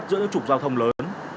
giữa những trục giao thông lớn